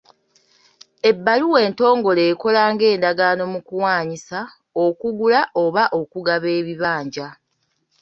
Ebbaluwa entongole ekola nga endagaano mu kuwaanyisa, okugula oba okugaba ebibanja.